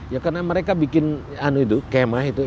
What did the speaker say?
ya karena mereka bikin kemah itu